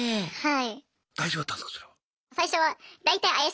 はい。